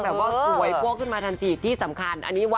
แบบว่าสวยพวกขึ้นมาทันสี